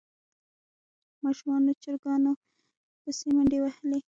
ماشومانو چرګانو پسې منډې وهلې.